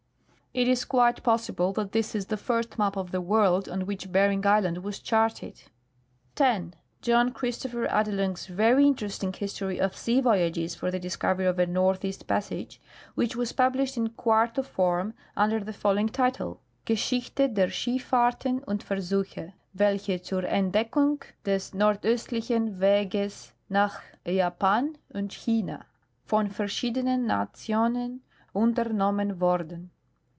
It is quite possible that this is the first map of the world on which Bering island was charted. 10. John Christopher Adelung's very interesting history of sea voyages for the discovery of a " northeast passage," which was published in quarto form under the following title :" Geschichte der Schifi'ahrten und Versuche welche zur Entdeckung des Nordostlichen Wages nach Japan und China von varschiedenen Nationen untarnomnian wordan.